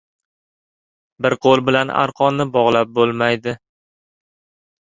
• Bir qo‘l bilan arqonni bog‘lab bo‘lmaydi.